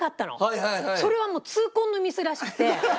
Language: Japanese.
それはもう痛恨のミスらしくて。